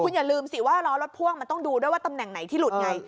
อย่าลืมสิว่าล้อรถพ่วงมันต้องดูด้วยว่าตำแหน่งไหนที่หลุดไง